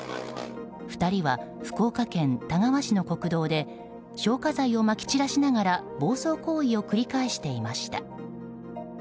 ２人は福岡県田川市の国道で消火剤をまき散らしながら暴走行為を繰り返していました。